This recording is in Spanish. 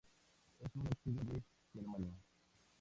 Es un óxido de germanio.